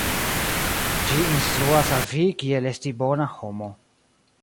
Ĝi instruas al vi kiel esti bona homo.